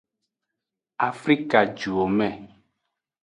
Afrikajuwome.